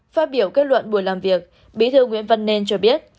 phát biểu kết luận buổi làm việc bí thư nguyễn văn nên cho biết